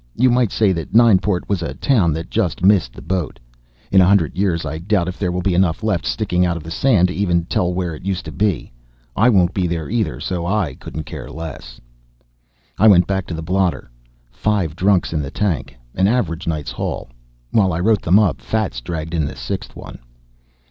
You might say that Nineport was a town that just missed the boat. In a hundred years I doubt if there will be enough left sticking of the sand to even tell where it used to be. I won't be there either, so I couldn't care less. I went back to the blotter. Five drunks in the tank, an average night's haul. While I wrote them up Fats dragged in the sixth one.